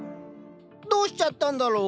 どうしちゃったんだろう？